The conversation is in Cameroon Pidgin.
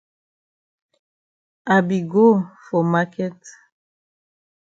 I be go for maket.